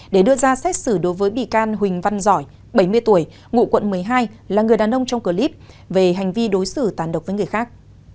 để đưa ra xét xử đối với bị can huỳnh văn giỏi bảy mươi tuổi ngụ quận một mươi hai là người đàn ông trong clip về hành vi đối xử tàn độc với người khác